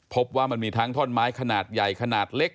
พบว่ามันมีทั้งท่อนไม้ขนาดใหญ่ขนาดเล็ก